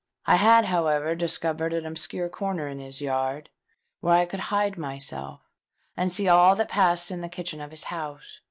I had, however, discovered an obscure corner in his yard, where I could hide myself and see all that passed in the kitchen of his house.